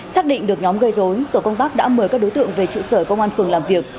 xác định được nhóm gây dối tổ công tác đã mời các đối tượng về trụ sở công an phường làm việc